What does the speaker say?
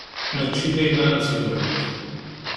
Mačči dayen ara d-tgelmeḍ.